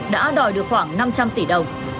đã đòi được khoảng năm trăm linh tỷ đồng